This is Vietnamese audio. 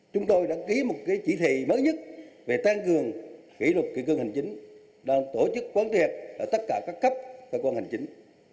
chúng tôi đã ký một chỉ thị mới nhất về tăng cường kỷ lục kỷ cương hành chính đang tổ chức quán triệt ở tất cả các cấp cơ quan hành chính